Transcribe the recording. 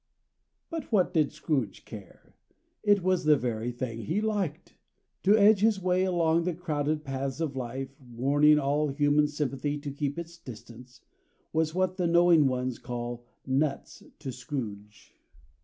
But what did Scrooge care? It was the very thing he liked. To edge his way along the crowded paths of life, warning all human sympathy to keep its distance, was what the knowing ones call "nuts" to Scrooge.